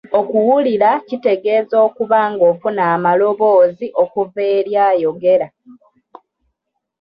Okuwulira kitegeeza okuba ng'ofuna amaloboozi okuva eri ayogera.